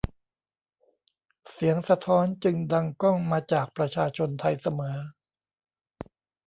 เสียงสะท้อนจึงดังก้องมาจากประชาชนไทยเสมอ